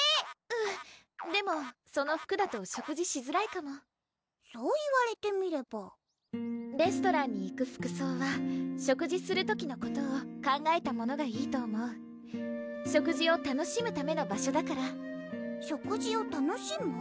うんでもその服だと食事しづらいかもそう言われてみればレストランに行く服装は食事する時のことを考えたものがいいと思う食事を楽しむための場所だから食事を楽しむ？